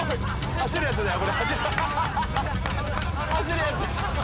走るやつだよ。